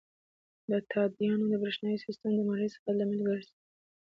د تادیاتو بریښنایی سیستم د مالي ثبات لامل ګرځي.